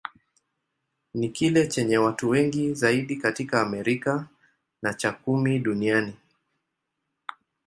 Ni kile chenye watu wengi zaidi katika Amerika, na cha kumi duniani.